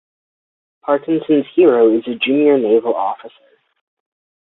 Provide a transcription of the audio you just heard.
Parkinson's hero is a junior naval officer.